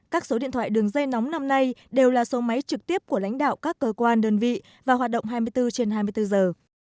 các số điện thoại đường dây nóng năm nay đều là số máy trực tiếp của lãnh đạo các cơ quan đơn vị và hoạt động hai mươi bốn trên hai mươi bốn giờ